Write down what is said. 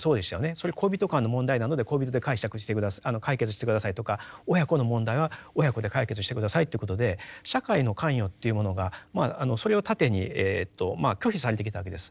それ恋人間の問題なので恋人で解決して下さいとか親子の問題は親子で解決して下さいということで社会の関与っていうものがそれを盾に拒否されてきたわけです。